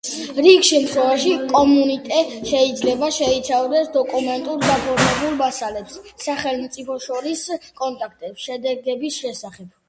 რიგ შემთხვევებში კომუნიკე შეიძლება შეიცავდეს დოკუმენტურად გაფორმებულ მასალებს, სახელმწიფოთაშორისი კონტაქტების შედეგების შესახებ.